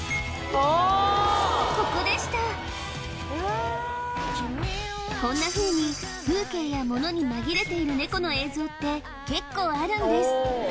ここでしたこんなふうに風景やものに紛れているネコの映像って結構あるんです